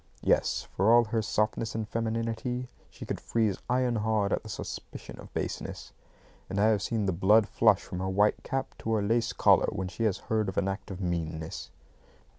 Yes; for all her softness and femininity, she could freeze iron hard at the suspicion of baseness; and I have seen the blood flush from her white cap to her lace collar when she has heard of an act of meanness.